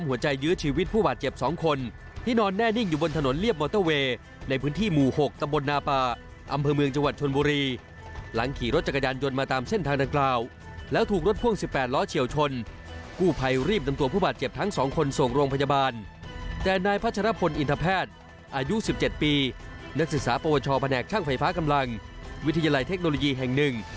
อายุ๑๗ปีนักศิษฐาปวชแผนกช่างไฟฟ้ากำลังวิทยาลัยเทคโนโลยีแห่งหนึ่ง